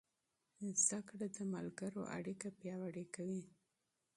زده کړه د ملګرو اړیکې پیاوړې کوي.